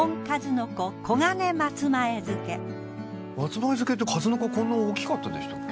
松前漬って数の子こんな大きかったでしたっけ？